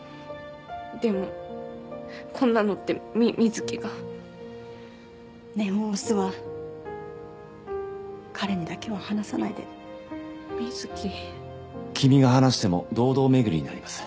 でもこんなのってみ瑞貴が念を押すわ彼にだけは話さないで瑞貴君が話しても堂々巡りになります